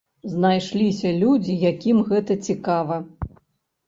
Знайшліся людзі, якім гэта цікава.